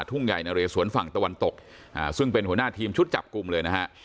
ทุ่งใหญ่นะเรสวนฝั่งตะวันตกอ่าซึ่งเป็นหัวหน้าทีมชุดจับกลุ่มเลยนะฮะ